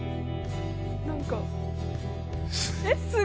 何かえっすごい。